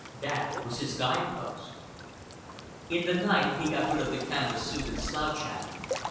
That was his guide post. In the night he got rid of the canvas suit and slouch hat.